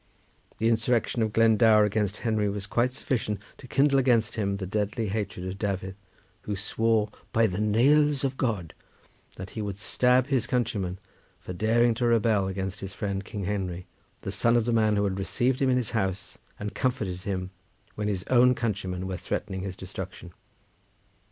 The insurrection of Glendower against Henry was quite sufficient to kindle against him the deadly hatred of Dafydd, who swore "by the nails of God" that he would stab his countryman for daring to rebel against his friend King Henry, the son of the man who had received him in his house and comforted him, when his own countrymen were threatening his destruction.